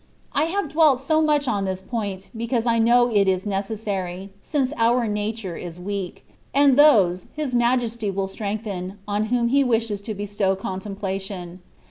I have dwelt so much on this point, because I know it is neces sary, since our nature is weak: and those His Majesty will strengthen, on whom He wishes to bestow contemplation.